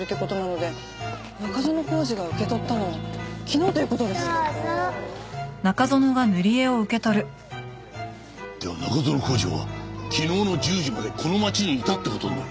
では中園宏司は昨日の１０時までこの町にいたって事になる。